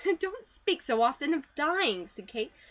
"Don't speak so often of dying," said Kate.